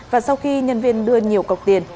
và sau khi nhân viên đưa nhiều cọc tiền